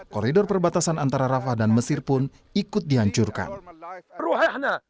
koridor perbatasan antara rafah dan mesir pun ikut dihancurkan